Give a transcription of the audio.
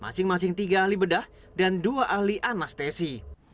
masing masing tiga ahli bedah dan dua ahli anestesi